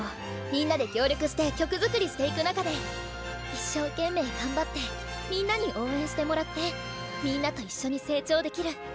みんなで協力して曲作りしていく中で一生懸命頑張ってみんなに応援してもらってみんなと一緒に成長できる。